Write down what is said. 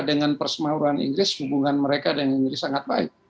dengan persemauan inggris hubungan mereka dengan inggris sangat baik